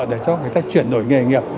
để cho người ta chuyển đổi nghề nghiệp